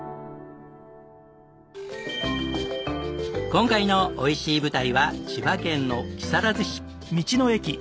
今回のおいしい舞台は千葉県の木更津市。